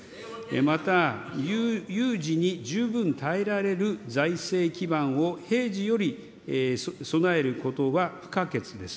また有事に十分たえられる財政基盤を、平時より備えることは不可欠です。